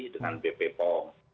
dengan bp pong